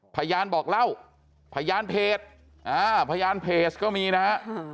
พยานบอกเล่าพยานเพจก็มีนะครับ